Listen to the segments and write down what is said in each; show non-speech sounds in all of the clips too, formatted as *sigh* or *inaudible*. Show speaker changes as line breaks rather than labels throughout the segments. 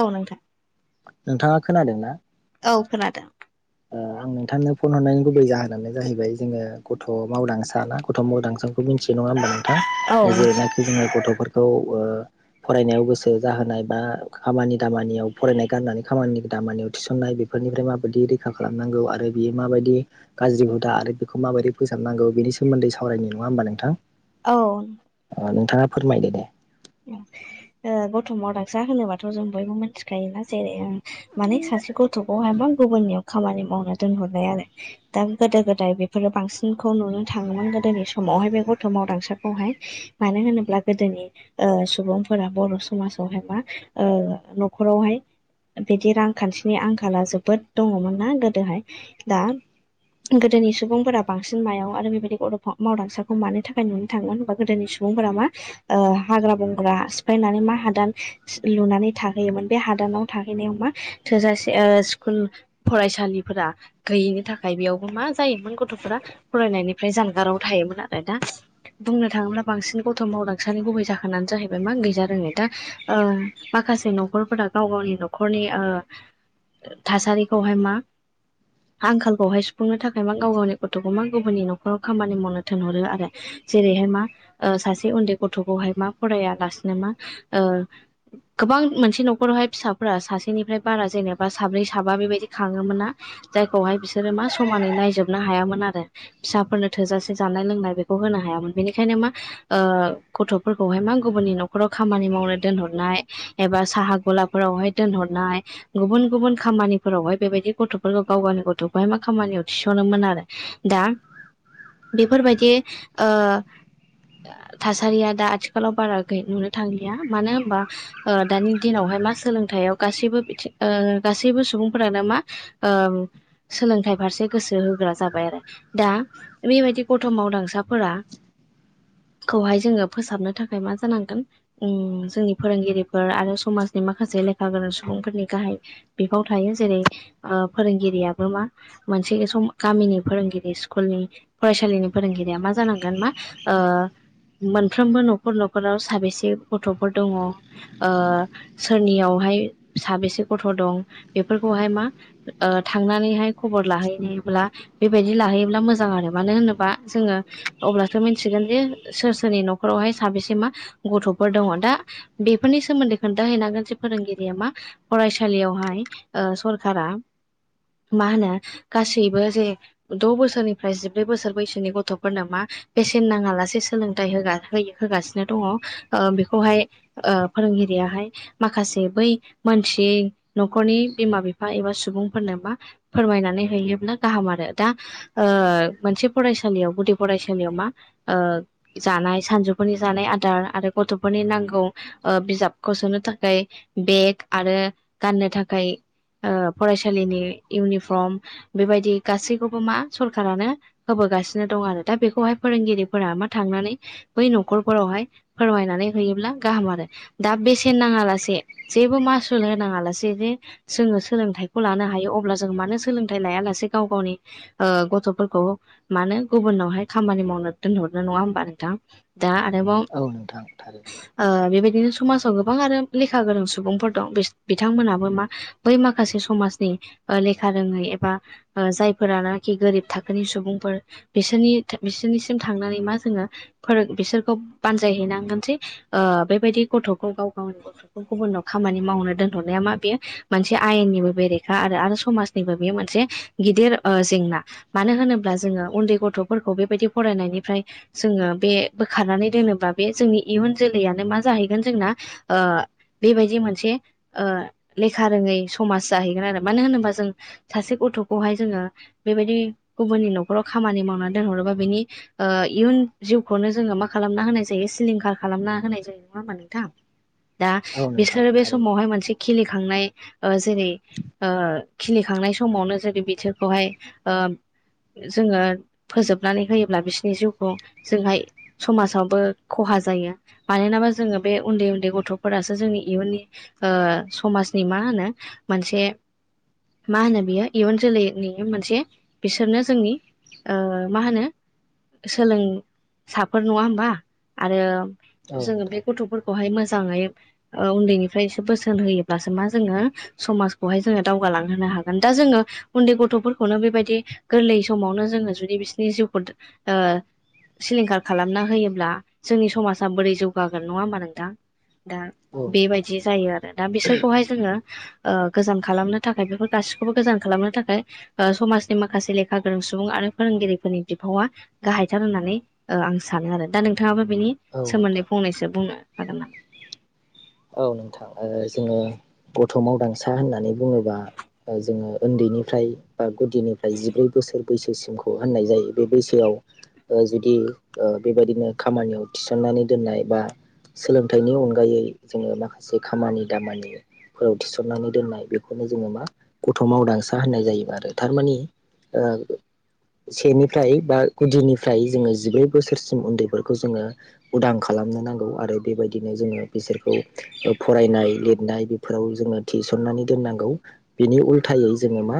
औ नोंथां
नोंथाङा खोनादोंना
औ खोनादों।
आं नोंथांनो फन हरनायनि गुबै जाहोनानो जाहैबाय जोङो गथ' मावदांसा ना गथ' मावदांसा बेखौ मिथियो नङा होमबा नोंथां
औ मोनसे
जेरैनाखि जोङो गथ'फोरखौ ओ फरायनायाव गोसो जाहोनाय बा खामानि दामानियाव फरायनाय गारनानै खामानि दामानियाव थिसननाय बेफ बेफोरनिफ्राय माबायदि रैखा खालामनांगौ आरो बियो माबायदि गाज्रि हुदा आरो बेखौ माबायदि फोसाबनांगौ बेनि सोमोन्दै सावरायनाय न नङा होनबा नोंथां?
औ।
ओ नोंथाङा फोरमायदो दे
ओ गथ' मावदांसा होनोबाथ' जों बयबो मिथिखायोना जेरै माने सासे गथ'खौ हाय गुबुननियाव खामानि मावनो दोनहरनाय आरो दा गोदो गोदाय बेफोरो बांसिनखौ नुनो थाङोमोन गोदोनि समावहाय बे गथ' मावदांसाखौहाय मानो होनोब्ला गोदोनि ओ सुबुंफोरा बर' समाजावहाय मा ओ न'खरावहाय बिदि रांखान्थिनि आंखाला जोबोद दङमोन ना गोदोहाय दा गोदोनि सुबुंफोरा बांसिन मायाव आरो बेबायदि गथ' मावदांसाखौ मानो थाखाय नुनो थाङो होनबा गोदोनि सुबुं फोरा मा हाग्रा-बंग्रा सिफायनानै मा हादान लुनानै थाहैयोमोन बे हादानाव थाहैनायाव मा थोजासे स्कुल फरायसालिफोरा गैयैनि थाखाय बेयावबो मा जायोमोन गथ'फोरा फरायनायनिफ्राय जानगाराव थायोमोन आरो दा बुंनो थाङोब्ला बांसिन गथ' मावदांसानि गुबै जाहोन फोरानो जाहैबाय मा गैजा रोङै दा ओ माखासे न'खरफोरा गाव गावनि न'खरनि ओ थासारिखौहाय मा आंखालखौहाय सुफुंनो थाखाय मा गाव गावनि गथ'खौ मा गुबुननि न'खराव खामानि मावनो थिनहरो आरो जेरैहाय मा सासे उन्दै गथ'खौहाय मा फरायालासेनो मा गोबां मोनसे न'खरावहाय फिसाफोरा सासेनिफ्राय बारा जेनेबा साब्रै साबा बेबायदि खाङोमोन ना जायखौहाय बिसोरो मा समानै नायजोबनो हायामोन आरो फिसाफोरनो थोजासे जानाय लोंनाय बेखौ होनो हायामोन बेनिखायनो मा ओ गथ' खौहाय मा गुबुननि न'खराव खामानि मावनो दोनहरनाय एबा साहा गलाफोरावहाय दोनहरनाय गुबुन गुबुन खामानिफोरावहाय बेबायदि गथ'फोरखौ गाव गावनि गथ'खौहाय मा खामानियाव थिस'नोमोन आरो दा बेफोरबायदि ओ थासारिया दा आथि खालाव बारा नुनो थांलिया मानो होनबा दानि दिनावहाय मा सोलोंथायाव गासैबो बिथिं ओ गासैबो सुबुंफोरानो मा ओ सोलोंथाइ फारसे गोसो होग्रा जाबाय आरो दा बेबायाददि गथ'मावदांसाफोरा
*inaudible* *unintelligible*
खौहाय जोङो फोसाबनो थाखाय मा जानांगोन उम जोंनि फोरोंगिरिफोर आरो समाजनि माखासे लेखा गोरों सुबुंफोरनि गाहाय बिफाव थायो जेरै ओ फोरोंगिरियाबो मा मोनसे सम गामिनि फोरोंगिरि सिकुलनि फसालिनि फोरोंगिरिया मा जांगोन मा ओ मोनफ्रोमबो न'ख न'खराव साबेसे गथ'फोर दङ ओ सोरनियावहाय साबेसे ग'थदं बेफोरखौहाय मा ओ थांनानैहाय खबरलाहैब्ला बेबायदि लाहैयोब्ला मोजां आरो मानोहोनोबा जोङो अब्लासो मोनथिगोन जे सोर सोरनि नखर आवहाय साबेसे मा गथ'फोर दङ दा बेफोरनि सोमोन्दै खोन्थाहैनांगोन जे फोरोंगिरिया मा फरायसालियावहाय सरखारा मा होनो गासैबो जे द' बोसोरनिफ्राय जिब्रै बोसोर बैसोनि गथ'फोरनो मा बेसेन नाङा लासे सोलोंथाइ होगारहोयो। होगासिनो दङ ओ बेखौहाय ओ फोरोंगिरियाहाय माखासे बै मोन जि न'खरनि बिमा बिफा एबा सुबुंफोरनो मा फोरमायनानै हैयोब्ला गाहाम आरो दा ओ मोनसे फरायसालियाव गुदि फरायसालियाव मा जानाय सानजौ गथ'फोरनि जानाय आदार आरो गथ'फोरनि नांगौ बिजाबखौ सोनो थाखाय बेग आरो रो गाननो थाखाय ओ फरायसालिनि इउनिफर्म बेबायदि गासैखौबो मा सरखारानो होबो होगासिनो दं आरो दा बेखौहाय फोरोंगिरिफोरा मा थांनानै बै न'खरफोरावहाय फोरमायनानै होयोब्ला गाहाम आरो दा बेसेन नाङालासे जेबो मा मासुल होनाङा लासे जे जोङो सोलोंथाइखौ लानो हायो अब्ला जों मानो सोलोंथाइ लाया लासे गाव गावनि ओ गथ'फोरखौ मानो गुबुनावहाय खामानि मावनो दोनहरनो नङा होमबा नोंथां। दा आरोबाव
औ नोंथां थारैनो
ओ बेबायदि बिदिनो समाजाव गोबां आरो लेखा गोरों सुबुंफोर दं बिसो बिथांमोनाबो मा बै माखासे समाजनि ओ लेखा रोङै एबा ओ जायफोरानखि गोरिब थाखोनि सुबुंफोर बिसोरनि बिसोरनिसिम थांनानै मा जोङो फोरों। बिसोरखौ बानजायहैनांगोन जे ओ बेबायदि गथ'खौ गाव गावनि गथ'खौ गुबुननाव खामानि माव हरनाया बे मोन आयनिबो बेरेखा आरो समनिबो बे मोनसे गिदिर ओ जेंना मानो होनोब्ला जोङो उन्दै गथ'फोरखौ बेबायदि फरायनायनिफ्राय जोङो बे बोखारनानै दोनोबा बे जोंनि इयुन जोलैयानो मा जाहैगोन जोंना ओ बेबायदि मोनसे ओ लेखा रोङै समाज जाहैगोन आरो मानो होनोबा जों सासे गथ जोङो बेबायदि गुबुननि न'खराव खामानि मावनो दोनहरोबा बिनि इउ जिउ खौनो जोङो मा खालामना होनाय जायो सिलिंखार खालामना होनाय जायो। नङाहोनबा नोंथां दा
औ नोंथां
बिसोरो बे
थारैनो
समावहाय मोनसे खिलि खनाय ओ जेरै ओ खिलिखांनाय समावनो जेर बिसोरखौहाय ओ जोङो फोजोबनानै होयोब्ला बिसोरनि जिउखौ जोंहाय समाजावबो खहा जायो मानोनाबा जोङो बे उन्दै उन्दै गथ'फोरासो जोंनि इयुननि ओ समाजनि मा होनो मोनसे मा होनो बियो इयुन जोलैनि मोनसे बिसोरनो जोंनि ओ माहोनो सोलों साफोर नङा हबा आरो
औ
जोङो बे
नोंथां
गथ' खौहाय मोजाङै ओ उन्दैनिफ्रायसे बोसोन होयोब्लासो मा जोङो समाजखौहाय जोङो दावगा लांहोनोहागोन दा जोङो उन्दै गथ'फोरखौनो बेबायदि गोरलै समावनो जोङो जुदि बिसिनि जिउखौ ओ सिलिंखार खालामना होयोब्ला जोंनि समाजा बोरै जौगागोन नङा होमा नोंथां। दा
औ नोंथां
बेबायदि जायो आरो दा बिसोरखौहाय जोङो ओ गोजाम खालामनो थाखाय बेफोर गासैबो थिखौबो गोजान खालामनो थाखाय ओ समाजनि माखासे लेखा गोरों सुबुं आरो फोरोंगिरिफोरनि बिफावा गाहायथार होननानै ओ आं सानो आरो दा नोंथाङाबो बिनि
औ नोंथां
सोमोन्दै फंनैसो बुंनो हागोन नामा?
औ नोंथां ओ जोङो गथ' मावदांसा होननानै बुङोबा जोङो उन्दैनिफ्राय बा गुदिनिफ्राय जिब्रै बोसोर बैसोसिमखौ होननाय जायो बे बैसोआव ओ जुदि ओ बेबायदिनो खामानियाव थिसननाय नानै दोननाय बा सोलोंथाइनि अनगायै जोङो माखासे खामानि दामानिफोराव थिसननानै दोननाय बेखौनो जोङो मा गथ' मावदां सा होननाय जायो आरो थारमाने सेनिफ्राय बा गुदिनिफ्राय जोङो जिब्रै बोसोरसिम उन्दैफोरखौ जोङो उदां खालामो खालामनो नांगौ आरो बेबायदिनो जोङो बिसोरखौ फरायनाय लिरनाय बेफोराव जोङो थिसननानै दोननांगौ बिनि उल्थायै जों जों मा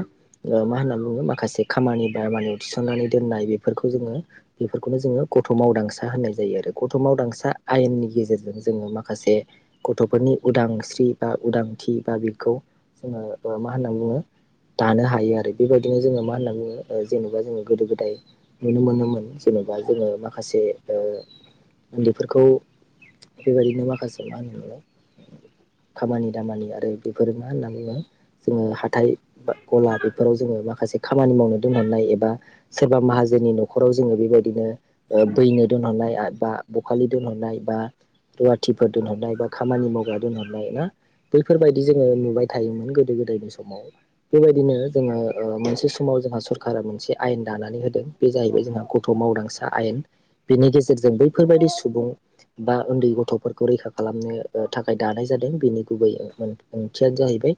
ओ मा होनना बुङो माखासे खामानि बा माने थिसननानै दोननाय बेफोरखौ जोङो बेफोरखौनो जोङो गथ' मावदांसा होननाय जायो आरो गथ' मावदांसा आयेननि गेजेरजों जोङो माखासे गथ'फोरनि उदांस्रि बा उदांथि बा बिखौ जोङो ओ मा होनना बुङो दानो हायो आरो बेबायदिनो जोङो मा होनना बुङो ओ जेनेबा जोङो गोदो गोदाय नुनो मोनोमोन जेनबा जोङो माखासे ओ उन्दैफोरखौ बेबायदिनो माखासे मा होनो खामानि दामानि आरो बेफोरो मा होननानै बुङो जोङो हाथाय बा ग'ला बेफोराव जों ओ माखासे खामानि मावनो दोनलांनाय एबा सोरबा माहाजोननि न'खाव जोङो बेबायदिनो ओ नो दोनलांनाय आ दा ब'खालि दोलांनाय बा रुवाथि फोर दोनहरनाय बा खामानि मावग्रा दोनहरनाय ना बैफोरबायदि जोङो नुबाय थायोमोन गोदो गोदायनि समाव बेबायदिनो जोङो ओ मोनसे समाव जोंहा सरकारा मोनसे आयेन दानानै होदों बे जाहैबाय जोंहा गथ' मावदांसा आयेन। बिनि गेजेरजों बैफोरबायदि सुबुं बा उन्दै गथ'फोर खौ रैखा खालामनो अ' थाखाय दानाय जादों बेनि गुबै ओंथियानो जाहैबाय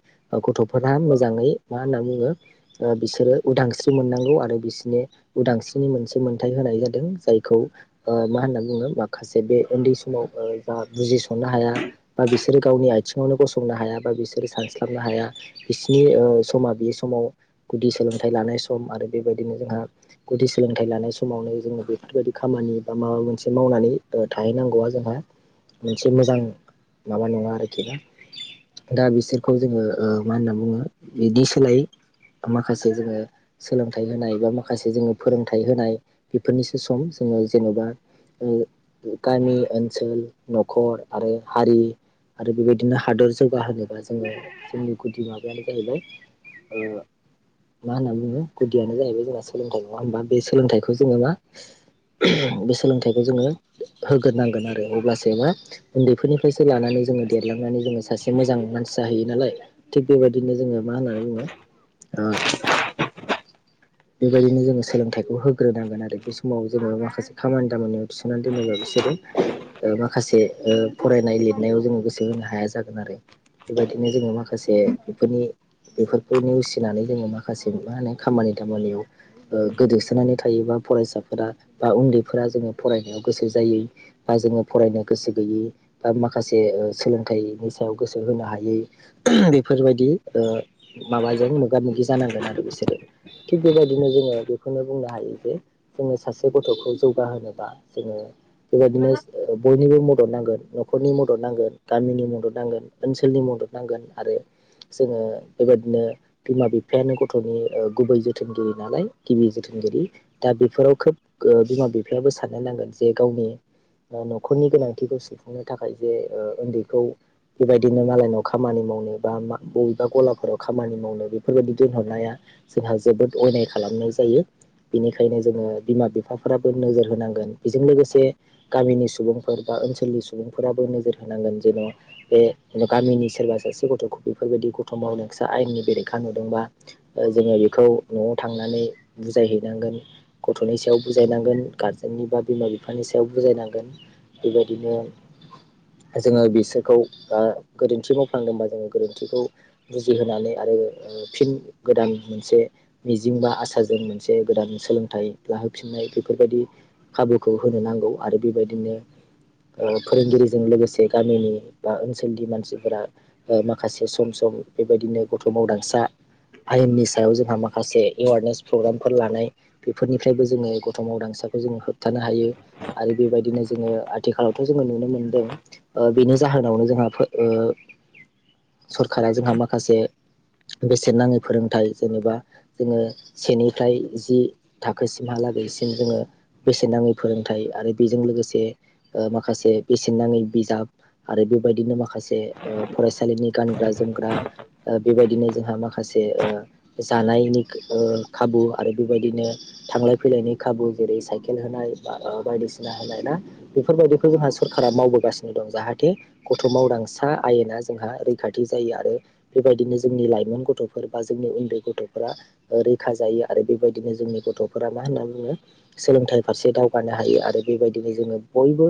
गथ'फोरा मोजाङै मा होनना बुङो ओ बिसोरो उदांस्रि मोननांगौ आरो बिसोरनि उदांस्रिनि मोनसे मोन्थथाय होनाय जादों जायखौ ओ मा होनना बुङो माखासे बे उन्दै समाव ओ बुजिस'ननो हाया बा बिसोरो गावनि आथिङावनो गसंनो हाया बा बिसोरो सानस्लाबनो हाया बिस नि ओ स'मा बे समाव गुदि सोलोंथाइ लानाय सम आरो बेबायदिनो जोंहा गुदि सोलोंथाइ लानाय समावनो जोङो बेफोरबायदि खामानि बा माबा मोनसे मावनानै ओ थाहैनांगौआ जोंहा मोनसे मोजां माबा नङा आरोखि ना? दा बिसोरखौ जोङो ओ मा होनना बुङो बिदि सोलाय माखासे जोङो सोलोंथाइ होनाय बा माखासे जोङो फोरोंथाइ होनाय बेफोरनिसो सम जोङो जेन'बा ओ गामि ओनसोल, न'खर आरो हारि आरो बेबायदिनो हादर जौगाहोनोबा जोङो जोंनि गुदि माबायानो जाहैबाय। औ मा होनना बुङो गुदियानो जाहैबाय जोंना सोलोंथाइ नङा होमबा बे सोलोंथाइखौ जोङो मा? बे सोलोंथाइखौ जोङो होग्रोनांगोन आरो अब्लासो जेनेबा उन्दैफोरनिफ्रायसो लानानै जोङो देरलांनानै जोङो सासे मोजां मानसि जाहैयो नालाय। थिग बेबायदिनो जोङो मा होननानै बुङो ओ बेबायदिनो जोङो सोलोंथाइखौ होग्रोनांगोन आरो बे समाव जोङो माखासे खामानि दामानियाव थिसननानै दोनोबा बिसोर ओ माखासे ओ फरायनाय लिरनायाव जोङो गोसो होनो हाया जागोन आरो बेबायदिनो जोङो माखासे बेफोरनि बेफोरखौ नेवसिनानै जोङो माखासे मा होनो खामानि दामानियाव ओ गोदोसोनानै थायोबा फरायसाफोरा बा उन्दैफोरा जोङो फरायनायाव गोसो जायो बा जोङो। फरायनो गोसो गैयै बा माखासे सोलोंथाइनि सायाव गोसो होनो हायै बेफोरबायदि ओ माबाजों मोगा मोगि जानांगोन आरो बिसोरो थिग बेबायदिनो जों जोङो बेखौनो बुंनो हायो जे जोङो सासे गथ'खौ जौगाहोबा जोङो बेबायदिनो। ओ बयनिबो मदद नांगोन न'खरनि मदद नांगोन गामिनि मदद नांगोन ओनसोलनि मदद नांगोन आरो जोङो बेबायदिनो बिमा बिफायानो गथ'नि गुबै जोथोनगिरि नालाय गिबि जोथोन फोरोंगिरि दा बेफोराव खोब बिमा बिफायाबो साननो नांगोन जे गावनि न'खरनि गोनांथिखौ सुफुंनो थाखाय जे ओ उन्दैखौ बेबायदिनो मालायनाव खामानि मावनो बा बबेबा गलाफोराव खामानि मावनो बेफोरबायदि दोनहरनाया जोंहा जोबोद अयनाय खालामनाय जायो। बिनिखायनो जोङो बिमा बिफाफोराबो नोजोर होनांगोन बेजों लोगोसे गामिनि सुबुंफोर बा ओनसोलनि सुबुंफोराबो नोजोर होनांगोन जेन' बे गामिनि सोरबा सोर सासे गथ'खौ बेफोरबायदि गथ' मावदांसा आयेननि बेरेखा नुदोंबा जोङो बेखौ न'आव थांनानै नै बुजायहैनांगोन गथ'नि सायाव बुजायनांगोन गारजेननि बा बिमा बिफानि सायाव बु बुजायनांगोन बेबायदिनो जोङो बिसोरखौ ओ गोरोन्थि मावफ्लांदोंबा जोङो गोरोन्थिखौ बुजिहोनानै आरो ओ फिन गोदान मोनसे मिजिं बा आसाजों मोनसे गोदान सोलोंथाइ लाहोनो फिननाय बेफोरबायदि खाबुखौ होनो नांगौ आरो बेबायदिनो ओ फोरोंगिरिजों लोगोसे गामिनि बा ओनसोलनि मानसिफोरा माखासे सम सम सम बेबायदिनो गथ' मावदांसा आयेननि सायाव जोंहा माखासे एवारनेस प्रग्रामफोर लानाय बेफोरनिफ्रायबो जोङो गथ' मावदांसा हाखौ जों होबथानो हायो। आरो बेबायदिनो जोङो आथिखालावथ' जोङो नुनो मोनदों ओ बेनि जाहोनावनो जोंहा ओ सरकारा जोंहा माखासे बेसेन नाङै फोरोंथाइ जेनेबा जोङो सेनिफ्राय जि थाखोसिमहालाग बेसिम जोङो बेसे नाङै फोरों नाथाय आरो बेजों लोगोसे माखासे बेसेन नाङै बिजाब आरो बेबायदिनो माखासे ओ फरायसालिनि गानग्रा जोमग्रा बेबायदिनो जोंहा माखासे जानाय नि ओ खाबु आरो बेबायदिनो थांलाय फैलायनि खाबु जेरै साइकेल होनाय बा बायदिसिना होनाय ना बेफोरबायदिखौ जोंहा सरका मावबोगासिनो दं जाहाथे गथ' मावदां सा आयना जोंहा रैखाथि जायो आरो बेबायदिनो जोंनि लाइमोन गथ'फोर बा जोंनि उन्दै गथ' फोरा रैखा जायो आरो बेबायदिनो जोंनि गथ'फोरा मा होनना बुङो सोलोंथाइ फारसे दाव होनो हायो आरो बेबायदिनो जोङो बयबो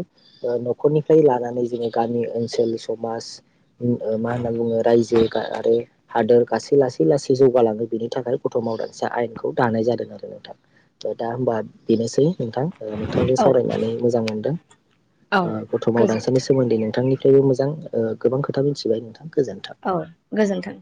न'खरनिफ्राय लानानै जोङो गामि ओनसोल सम माज *inaudible* मा होनना बुङो रायजो आरो हादोर गासै लासै लासै जौगालाङो बेनि थाखाय गथ' मावदांसा आयेनखौ दानाय जादों आरो नोंथां दा होमबा बेनोसै ओ नोंथांजों
औ
सावरायनानै मोजां मोनदों
औ
गथ' मावदांसानि
गोजोनथों
सोमोन्दै नोंथांनि थेवबो मोजां गोबां खोथा मिथिबाय नोंथां गोजोन्थों
औ गोजोन्थों।